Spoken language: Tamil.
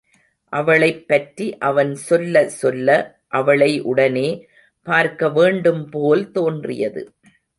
அவளைப் பற்றி அவன் சொல்ல சொல்ல, அவளை உடனே பார்க்க வேண்டும்போல் தோன்றியது.